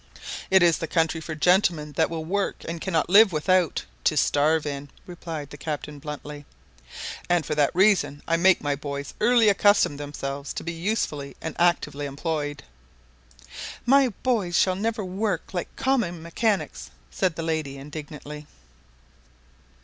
"It is the country for gentlemen that will not work and cannot live without, to starve in," replied the captain bluntly; "and for that reason I make my boys early accustom themselves to be usefully and actively employed." "My boys shall never work like common mechanics," said the lady, indignantly.